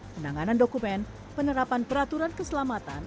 penanganan dokumen penerapan peraturan keselamatan